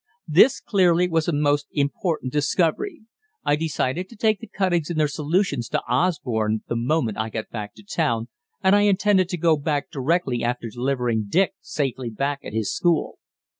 This clearly was a most important discovery. I decided to take the cuttings and their solutions to Osborne the moment I got back to town, and I intended to go back directly after delivering Dick safely back at his school.